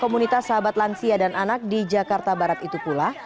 komunitas sahabat lansia dan anak di jakarta barat itu pula